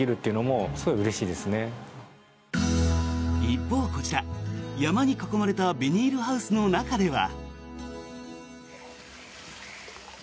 一方、こちら、山に囲まれたビニールハウスの中では。